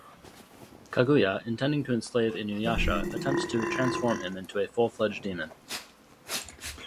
Kaguya, intending to enslave InuYasha, attempts to transform him in to a full-fledged demon.